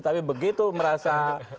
tapi begitu merasa